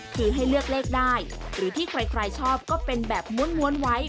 คือให้เลือกเลขได้หรือที่ใครชอบก็เป็นแบบม้วนไว้